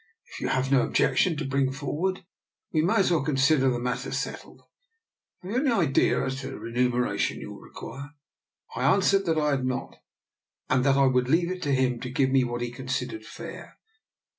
If you have no objection to bring forward, we may as well consider the matter settled. Have you any idea as to the re muneration you will require ?»" I answered that I had not, and that I would leave it to him to give me what he considered fair.